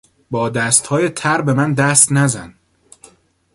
با دستهای تر به من دست نزن!